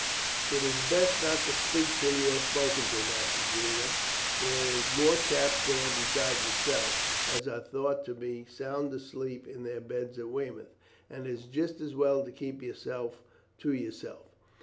"It is best not to speak till you are spoken to, Master Julian; there is more chaps there besides yourself, as are thought to be sound asleep in their beds at Weymouth, and it is just as well to keep yourself to yourself.